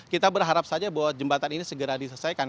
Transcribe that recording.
kita berharap saja bahwa jembatan ini segera diselesaikan